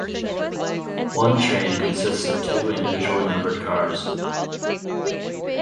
One train consists of two individually numbered cars.